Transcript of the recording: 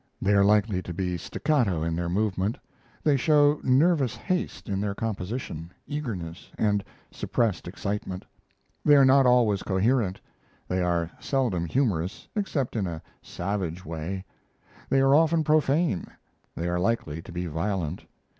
They are likely to be staccato in their movement; they show nervous haste in their composition, eagerness, and suppressed excitement; they are not always coherent; they are seldom humorous, except in a savage way; they are often profane; they are likely to be violent.